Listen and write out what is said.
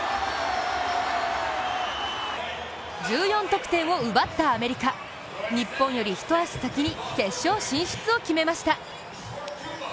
１４得点を奪ったアメリカ、日本より一足先に決勝進出を決めました。